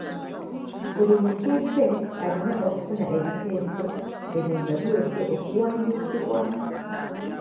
Buli mukiise alina okufuna ebiteeso ebyo nga biwedde okuwandiikibwa.